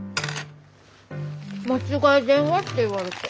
間違い電話って言われて。